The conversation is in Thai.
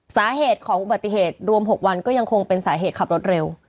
สาเหตุของอุบัติเหตุรวม๖วันก็ยังคงเป็นสาเหตุขับรถเร็ว